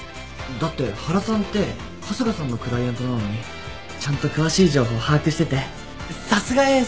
だって原さんって春日さんのクライアントなのにちゃんと詳しい情報把握しててさすがエース。